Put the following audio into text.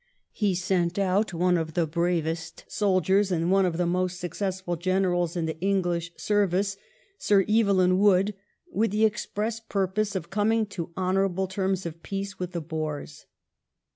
He sent out WAR WITH THE BOERS — FRANCHISE BILL 353 of the bravest soldiers and one of the most suc cessful generals in the English service, Sir Evelyn Wood, with the express purpose of coming to honorable terms of peace with the Boers.